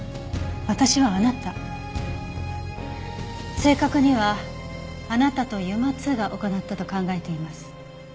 私はあなた正確にはあなたとＵＭＡ−Ⅱが行ったと考えています。